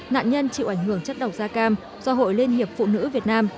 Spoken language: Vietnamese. nạn nhân chịu ảnh hưởng chất độc da cam do hội liên hiệp phụ nữ việt nam